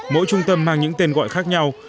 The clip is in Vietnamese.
mỗi trung tâm mang những tên gọi khác nhau